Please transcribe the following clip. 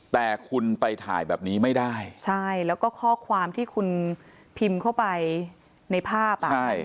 แต่คุณไปถ่ายแบบนี้ไม่ได้ใช่แล้วก็ข้อความที่คุณพิมพ์เข้าไปในภาพอ่ะใช่